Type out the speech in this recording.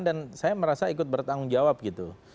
dan saya merasa ikut bertanggung jawab gitu